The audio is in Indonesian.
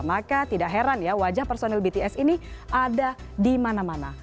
maka tidak heran ya wajah personil bts ini ada di mana mana